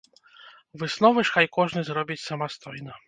Высновы ж хай кожны зробіць самастойна.